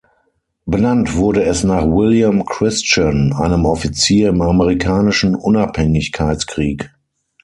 Benannt wurde es nach "William Christian", einem Offizier im Amerikanischen Unabhängigkeitskrieg.